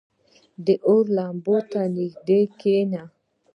• د اور لمبو ته نږدې کښېنه.